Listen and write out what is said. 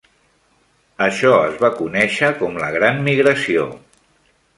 Això es va conèixer com la Gran Migració.